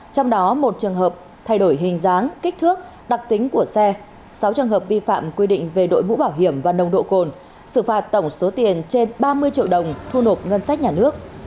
trong đó một trường hợp thay đổi hình dáng kích thước đặc tính của xe sáu trường hợp vi phạm quy định về đội mũ bảo hiểm và nồng độ cồn xử phạt tổng số tiền trên ba mươi triệu đồng thu nộp ngân sách nhà nước